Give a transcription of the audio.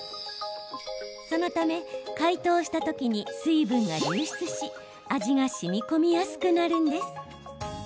そのため解凍した時に水分が流出し味がしみこみやすくなるんです。